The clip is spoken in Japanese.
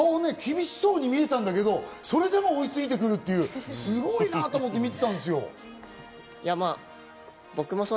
顔ね、厳しそうに見えたんだけど、それでも追い付いてくるっていうすごいなと思って見てたんですよ。